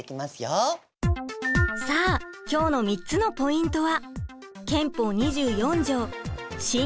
さあ今日の３つのポイントは。